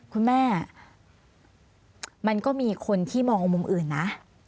คุณแม่มันก็มีคนที่มองมุมอื่นนะ